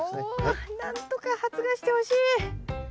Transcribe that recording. お何とか発芽してほしい。